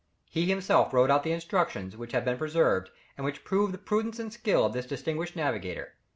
He himself wrote out the instructions, which have been preserved, and which prove the prudence and skill of this distinguished navigator.